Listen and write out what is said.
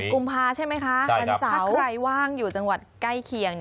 สิบแปดกุมภาคมใช่ไหมคะวันเสาร์ถ้าใครว่างอยู่จังหวัดใกล้เคียง